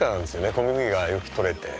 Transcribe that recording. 小麦がよく取れて。